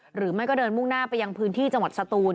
หรือไม่ก็เดินมุ่งหน้าไปยังพื้นที่จังหวัดสตูน